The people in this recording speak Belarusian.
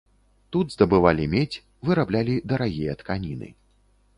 Тут здабывалі медзь, выраблялі дарагія тканіны.